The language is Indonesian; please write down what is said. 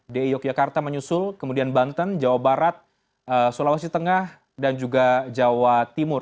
di yogyakarta menyusul kemudian banten jawa barat sulawesi tengah dan juga jawa timur